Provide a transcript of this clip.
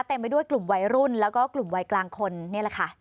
ไปด้วยกลุ่มวัยรุ่นแล้วก็กลุ่มวัยกลางคนนี่แหละค่ะ